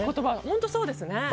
本当そうですね。